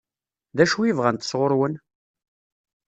D acu i bɣant sɣur-wen?